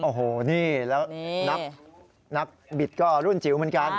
โอ้โหนี่แล้วนักบิดก็รุ่นจิ๋วเหมือนกัน